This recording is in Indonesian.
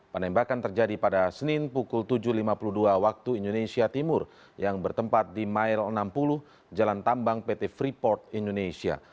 penembakan terjadi pada senin pukul tujuh lima puluh dua waktu indonesia timur yang bertempat di mile enam puluh jalan tambang pt freeport indonesia